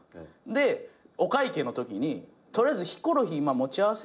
でお会計のときに「取りあえずヒコロヒー今持ち合わせある？」